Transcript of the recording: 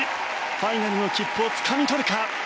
ファイナルの切符をつかみ取るか。